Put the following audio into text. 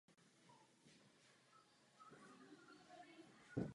Prostřední bratr Alois zemřel dva roky po smrti Josefa.